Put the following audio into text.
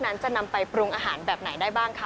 นั้นจะนำไปปรุงอาหารแบบไหนได้บ้างคะ